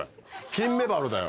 金メバルだよ。